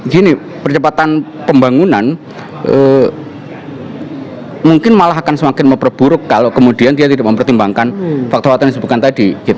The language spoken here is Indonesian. gini percepatan pembangunan mungkin malah akan semakin memperburuk kalau kemudian dia tidak mempertimbangkan fakta fakta yang disebutkan tadi